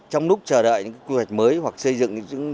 trong lúc chờ đợi những quy hoạch mới hoặc xây dựng